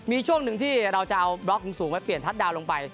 มีช่วงหนึ่งที่เราจะเอาบล็อกสูงไว้เปลี่ยนทัศดาวนลงไป